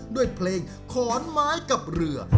ด้วยเพลงขอนไม้กับเรือ